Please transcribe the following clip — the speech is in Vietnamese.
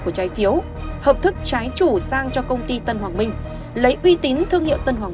của trái phiếu hợp thức trái chủ sang cho công ty tân hoàng minh lấy uy tín thương hiệu tân hoàng